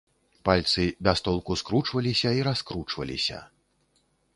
Пальцы без толку скручваліся і раскручваліся.